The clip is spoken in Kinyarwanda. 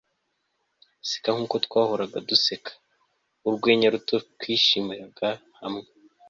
Seka nkuko twahoraga duseka urwenya ruto twishimiraga hamwe